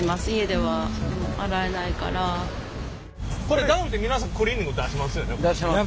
これダウンって皆さんクリーニング出しますよね？